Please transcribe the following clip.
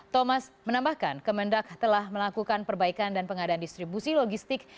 thomas menambahkan kemendak telah melakukan perbaikan dan pengadaan distribusi logistik